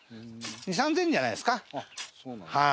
２０００３０００円じゃないですか。